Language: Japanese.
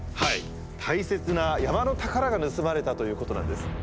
大切な山の宝が盗まれたということなんです。